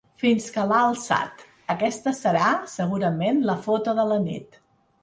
Fins que l’ha alçat: aquesta serà, segurament, la foto de la nit.